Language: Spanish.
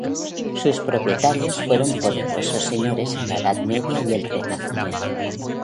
Sus propietarios fueron poderosos señores en la edad media y el renacimiento.